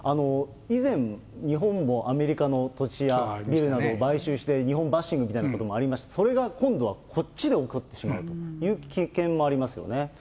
以前、日本もアメリカの土地やビルなどを買収して、日本バッシングみたいなこともありました、それが今度はこっちで起こってしまうという危険もありますよね。